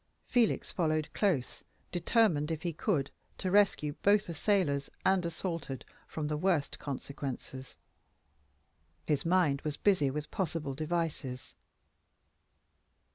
Felix followed close, determined, if he could, to rescue both assailers and assaulted from the worst consequences. His mind was busy with possible devices.